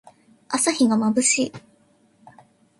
朝日がまぶしい。